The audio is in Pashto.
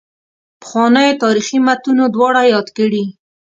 پخوانیو تاریخي متونو دواړه یاد کړي.